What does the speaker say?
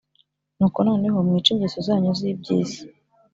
Nuko noneho mwice ingeso zanyu z iby isi